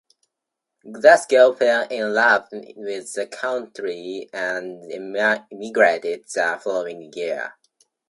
Glasgow fell in love with the country and emigrated the following year.